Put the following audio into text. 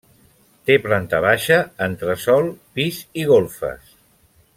Té planta baixa, entresòl, pis i golfes.